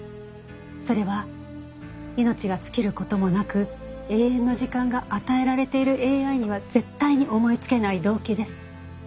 それは命が尽きる事もなく永遠の時間が与えられているＡＩには絶対に思いつけない動機です。